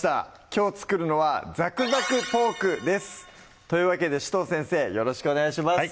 きょう作るのは「ざくざくポーク」ですというわけで紫藤先生よろしくお願いします